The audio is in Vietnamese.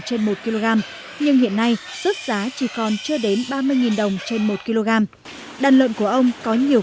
trên một kg nhưng hiện nay rớt giá chỉ còn chưa đến ba mươi đồng trên một kg đàn lợn của ông có nhiều